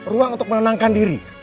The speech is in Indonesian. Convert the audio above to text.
ruang untuk menenangkan diri